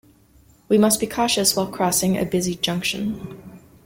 We must be cautious while crossing a busy junction.